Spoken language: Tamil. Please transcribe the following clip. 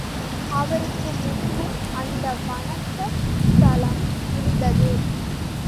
அவருக்கு முன்பும் அந்த வணக்க ஸ்தலம் இருந்தது.